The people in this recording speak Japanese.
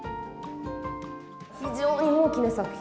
非常に大きな作品。